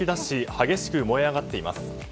激しく燃え上がっています。